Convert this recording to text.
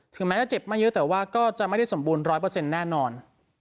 ถึงแม้จะเจ็บไม่เยอะแต่ว่าก็จะไม่ได้สมบูรณ์ร้อยเปอร์เซ็นต์แน่นอน